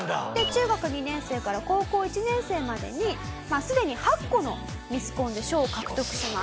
中学２年生から高校１年生までにすでに８個のミスコンで賞を獲得します。